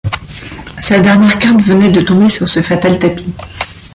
Sa dernière carte venait de tomber sur ce fatal tapis